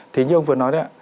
thì như ông vừa nói đấy ạ